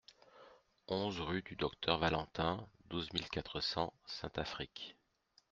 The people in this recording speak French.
onze rue du Docteur Valentin, douze mille quatre cents Saint-Affrique